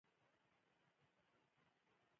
سارې د خپلې مور په مرګ ډېرې کوکې وکړلې.